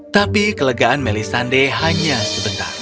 tapi kelegaan melisande hanya sebentar